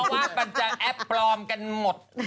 ว่ามันจะแอปปลอมกันหมด